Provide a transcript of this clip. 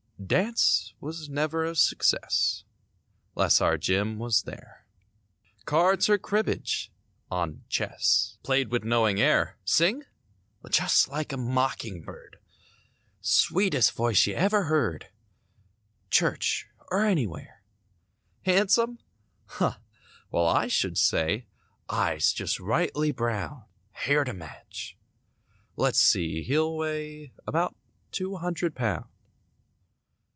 Dance was never a success 'Less our Jim was there. Cards or cribbage, on to chess. Played with knowing air. Sing? Just like a mocking bird. Sweetest voice you ever heard— Church or anywhere. Handsome? Huh! Well I should say; Eyes just rightly browned; Hair to match. Let's see, he'll weigh About two hundred pound.